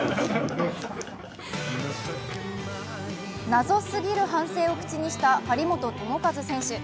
謎すぎる反省を口にした張本智和選手。